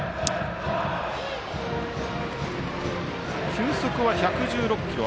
球速は１１６キロ。